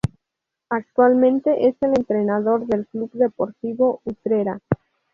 Actualmente es el entrenador del Club Deportivo Utrera.